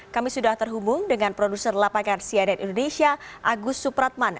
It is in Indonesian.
kami sudah terhubung dengan produser lapangan cnn indonesia agus supratman